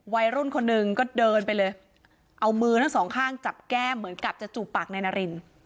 วัยรุ่นคนหนึ่งก็เดินไปเลยเอามือทั้งสองข้างจับแก้มเหมือนกับจะจูบปากนายนาริน